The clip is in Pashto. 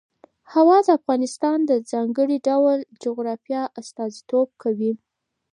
هوا د افغانستان د ځانګړي ډول جغرافیه استازیتوب کوي.